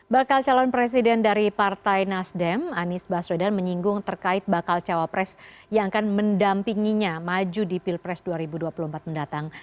bakal calon presiden dari partai nasdem anies baswedan menyinggung terkait bakal cawapres yang akan mendampinginya maju di pilpres dua ribu dua puluh empat mendatang